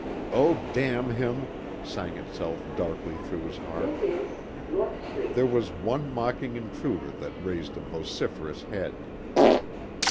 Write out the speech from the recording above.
"Oh, damn him," sang itself darkly through his heart. There was one mocking intruder that raised a vociferous head.